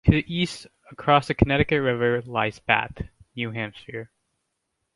To the east, across the Connecticut River lies Bath, New Hampshire.